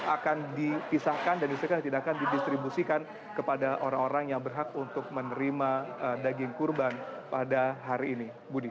akan dipisahkan dan tidak akan didistribusikan kepada orang orang yang berhak untuk menerima daging kurban pada hari ini budi